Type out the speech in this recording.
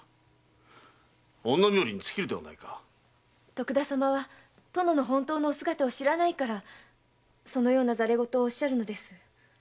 徳田様は殿の本当のお姿を知らないからそのような戯れ言をおっしゃるのです。